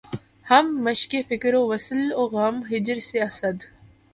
ہم مشقِ فکر وصل و غم ہجر سے‘ اسد!